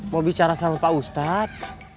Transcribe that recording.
mau bicara sama pak ustadz